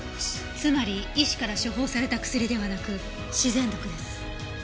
つまり医師から処方された薬ではなく自然毒です。